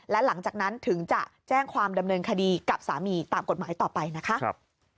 และหลังจากนั้นถึงจะแจ้งความดำเนินคดีกับสามีตามกฎหมายต่อไปนะคะ